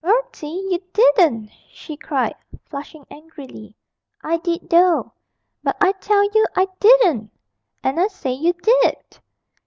'Bertie, you didn't,' she cried, flushing angrily. 'I did though.' 'But I tell you I didn't! 'And I say you did!'